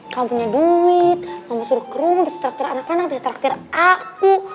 kamu punya duit mama suruh ke rumah bisa traktir anak anak bisa traktir aku